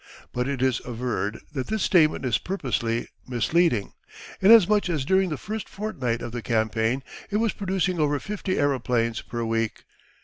But it is averred that this statement is purposely misleading, inasmuch as during the first fortnight of the campaign it was producing over 50 aeroplanes per week.